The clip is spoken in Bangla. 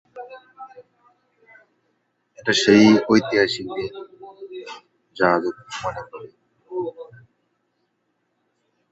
ইউরোপের বেশিরভাগ ঐতিহাসিক বনাঞ্চল উজাড় করা হয়েছে।